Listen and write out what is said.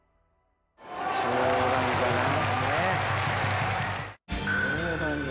冗談じゃない。